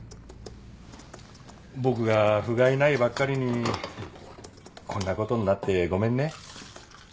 僕がふがいないばっかりにこんなことになってごめんね。